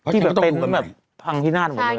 ที่แบบเป็นแบบพังที่หน้าหนูเลย